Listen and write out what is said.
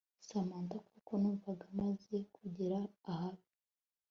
Samantha kuko numvaga amaze kungera ahabi